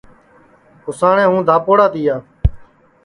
اُساٹؔے ہوں دھاپوڑا تیا